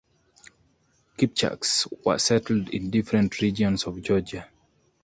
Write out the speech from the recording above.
Kipchaks were settled in different regions of Georgia.